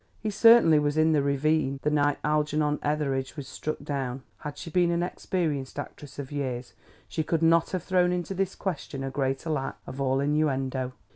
He certainly was in the ravine the night Algernon Etheridge was struck down." Had she been an experienced actress of years she could not have thrown into this question a greater lack of all innuendo.